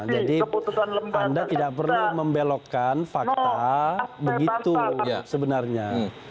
jadi anda tidak perlu membelokkan fakta begitu sebenarnya